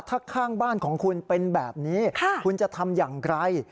ถ้าข้างบ้านของคุณเป็นแบบนี้คุณจะทำอย่างไร